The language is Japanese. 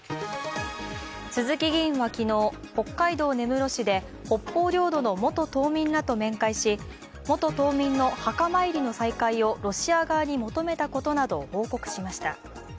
鈴木議員は昨日、北海道根室市で北方領土の元島民らと面会し元島民の墓参りの再開をロシア側に求めたことなどを報告しました。